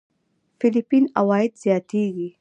فېليپين عوايد زياتېږي.